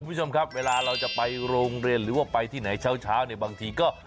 คุณผู้ชมครับเวลาเราจะไปโรงเรียนหรือว่าไปที่ไหนเช้าเนี่ยบางทีก็